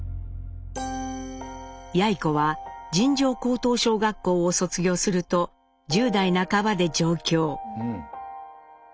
やい子は尋常高等小学校を卒業すると１０代半ばで上京。